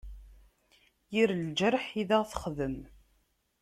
Yir leǧreḥ i d aɣ-texdem.